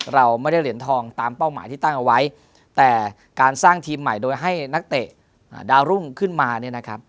เราไม่ได้เหรียญทองตามเป้าหมายที่ตั้งเอาไว้แต่การสร้างทีมใหม่โดยให้นักเตะดาวรุ่งขึ้นมาเนี่ยนะครับ